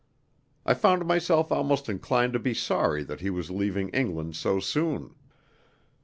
I found myself almost inclined to be sorry that he was leaving England so soon.